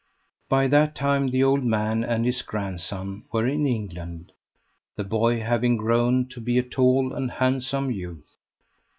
By that time the old man and his grandson were in England; the boy having grown to be a tall and handsome youth.